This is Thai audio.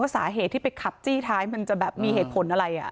สาเหตุที่ไปขับจี้ท้ายมันจะแบบมีเหตุผลอะไร